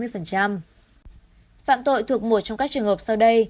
phạm tội thuộc một trong các trường hợp sau đây